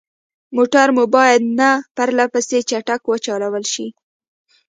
موټر مو باید نه پرلهپسې چټک وچلول شي.